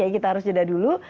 kita harus jeda dulu